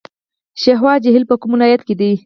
شیوا جهیل په کوم ولایت کې دی؟